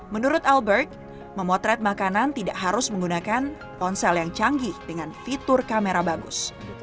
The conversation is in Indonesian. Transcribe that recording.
menurut albert memotret makanan tidak harus menggunakan ponsel yang canggih dengan fitur kamera bagus